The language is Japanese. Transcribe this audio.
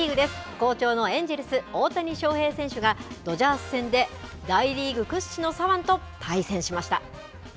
好調のエンジェルス、大谷翔平選手が、ドジャース戦で大リーグ屈指の左腕と対戦しました。